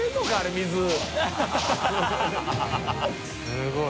すごい。